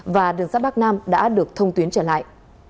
và đường sát bắc nam đã được thông tuyến trở lại